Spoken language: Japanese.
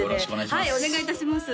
はいお願いいたします